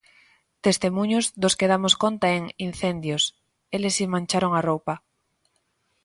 Testemuños dos que damos conta en 'Incendios: eles si mancharon a roupa'.